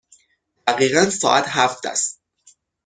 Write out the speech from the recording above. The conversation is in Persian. دقیقاً ساعت هفت است.